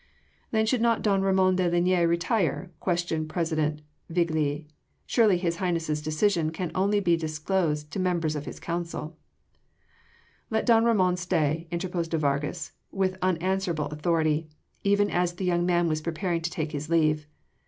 "Then should not don Ramon de Linea retire?" queried President Viglius, "surely His Highness’s decision can only be disclosed to members of his council." "Let don Ramon stay," interposed de Vargas with unanswerable authority, even as the young man was preparing to take his leave.